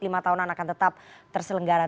lima tahunan akan tetap terselenggara